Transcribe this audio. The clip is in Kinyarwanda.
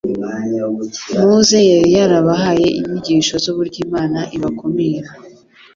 Mose yari yarabahaye inyigisho z'uburyo Imana ibakumira